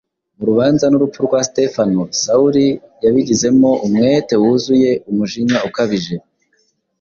Mu rubanza n’urupfu rwa Sitefano, Sawuli yabigizemo umwete wuzuye umujinya ukabije.